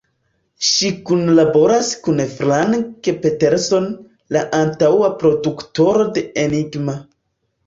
Ŝi kunlaboras kun Frank Peterson, la antaŭa produktoro de Enigma.